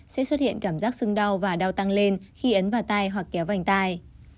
sẽ xuất hiện cảm giác sưng đau và đau tăng lên khi ấn vào tay hoặc kéo vành tay